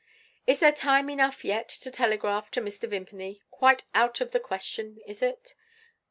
Is there time enough, yet, to telegraph to Mr. Vimpany? Quite out of the question, is it?